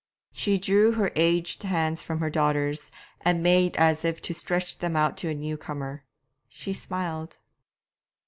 She drew her aged hands from her daughters', and made as if to stretch them out to a new comer. She smiled.